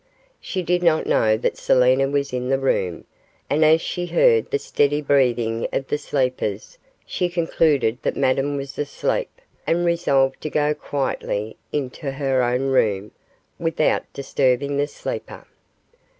She did not know that Selina was in the room, and as she heard the steady breathing of the sleepers, she concluded that Madame was asleep, and resolved to go quietly into her own room without disturbing the sleeper.